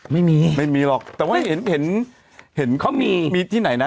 ไม่มีไม่มีหรอกแต่ว่าเห็นเห็นเขามีมีที่ไหนนะ